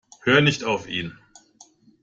Hör nicht auf ihn.